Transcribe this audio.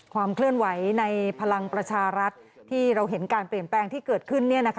ความเคลื่อนไหวในพลังประชารัฐที่เราเห็นการเปลี่ยนแปลงที่เกิดขึ้น